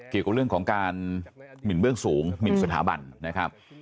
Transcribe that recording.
เกี่ยวกับเรื่องของการหมินเบื้องสูงหมินสถาบันนะครับ